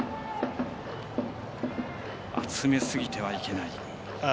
集めすぎてはいけない。